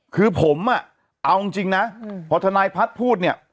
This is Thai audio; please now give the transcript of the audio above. คือผมอ่ะเอาจริงนะพอทนายพัฒน์พูดเนี่ย